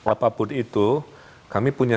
apapun itu kami punya